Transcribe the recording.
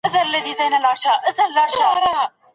موږ د حقیقت په لټه کې یو.